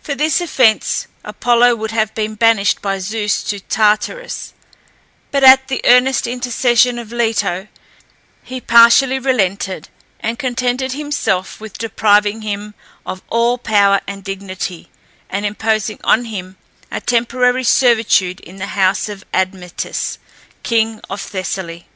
For this offence, Apollo would have been banished by Zeus to Tartarus, but at the earnest intercession of Leto he partially relented, and contented himself with depriving him of all power and dignity, and imposing on him a temporary servitude in the house of Admetus, king of Thessaly.